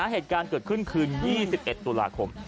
เหตุการณ์เกิดขึ้นคืน๒๑ตุลาคม